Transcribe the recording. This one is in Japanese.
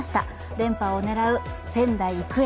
連覇を狙う仙台育英。